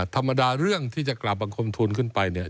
ธรรมดาเรื่องที่จะกราบบังคมทุนขึ้นไปเนี่ย